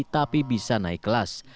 tapi bisa naik kelas